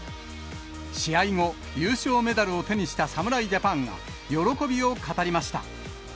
試合後、優勝メダルを手にした侍ジャパンが喜びを語りました。